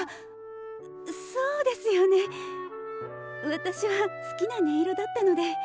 私は好きな音色だったので。